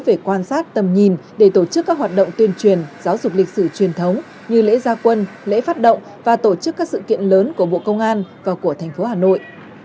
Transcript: về quan sát tầm nhìn để tổ chức các hoạt động tuyên truyền giáo dục lịch sử truyền thống như lễ gia quân lễ phát động và tổ chức các sự kiện lớn của bộ công an và của thành phố hà nội